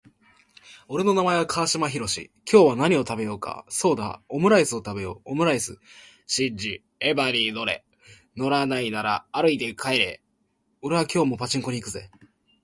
俺の名前は川島寛。今日は何を食べようか。そうだハンバーグを食べよう。ハンバーグ。シンジ、電車に乗れ。乗らないなら歩いて帰れ。俺は今日もパチンコに行くぜ。